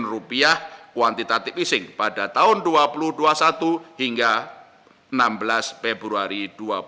sebesar rp tiga delapan triliun kuantitatif easing pada tahun dua ribu dua puluh satu hingga enam belas februari dua ribu dua puluh satu